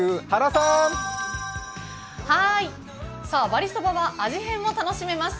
ばりそばは味変も楽しめます。